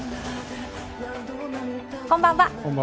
こんばんは。